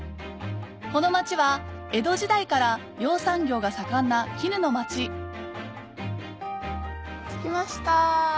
この街は江戸時代から養蚕業が盛んな絹の街着きました。